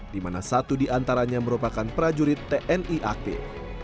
dimana satu diantaranya merupakan prajurit tni aktif